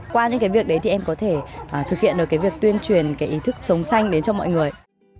qua những việc đấy thì em có thể thực hiện được việc tuyên truyền ý thức sống sen đến cho mọi người